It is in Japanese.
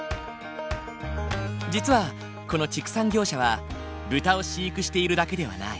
実はこの畜産業者は豚を飼育しているだけではない。